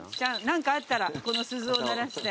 何かあったらこの鈴を鳴らして。